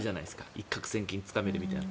一獲千金つかめるみたいな。